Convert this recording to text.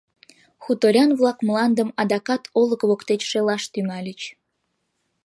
Хуторян-влак мландым адакат олык воктеч шелаш тӱҥальыч.